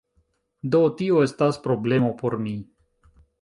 Do, tio estas problemo por mi